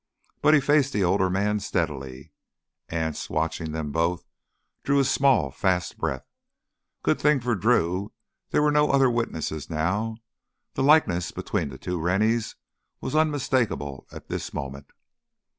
But he faced the older man steadily. Anse, watching them both, drew a small, fast breath. Good thing for Drew there were no other witnesses now; the likeness between the two Rennies was unmistakable at this moment.